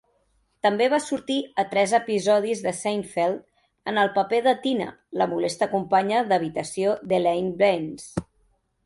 També va sortir a tres episodis de "Seinfeld" en el paper de Tina, la molesta companya d'habitació d'Elaine Benes.